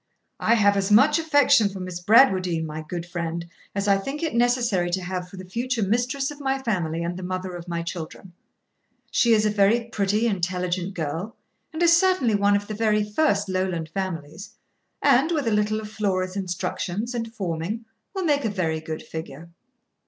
'I have as much affection for Miss Bradwardine, my good friend, as I think it necessary to have for the future mistress of my family and the mother of my children. She is a very pretty, intelligent girl, and is certainly of one of the very first Lowland families; and, with a little of Flora's instructions and forming, will make a very good figure.